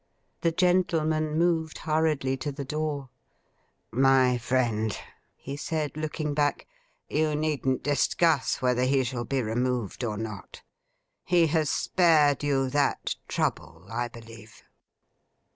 The gentleman moved hurriedly to the door. 'My friend,' he said, looking back, 'you needn't discuss whether he shall be removed or not. He has spared you that trouble, I believe.